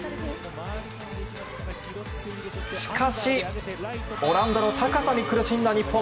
しかし、オランダの高さに苦しんだ日本。